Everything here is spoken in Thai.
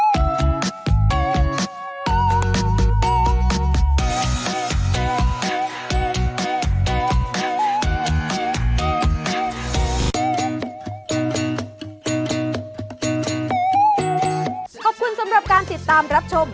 ขอบคุณสำหรับการติดตามรับชม